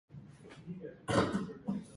It is long with a brown body.